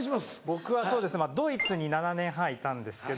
僕はドイツに７年半いたんですけど。